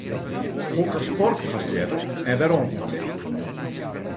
Hokker sport hast leaver en wêrom?